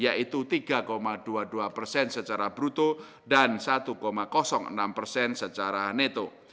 yaitu tiga dua puluh dua persen secara bruto dan satu enam persen secara neto